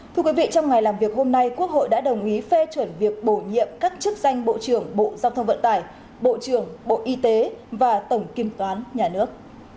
thưa quý vị trong ngày làm việc hôm nay quốc hội đã đồng ý phê chuẩn việc bổ nhiệm các chức danh bộ trưởng bộ giao thông vận tải bộ trưởng bộ y tế và tổng kiểm toán nhà nước